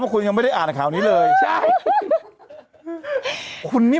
เมื่อเ฽็ดูข่าวผิดแล้ว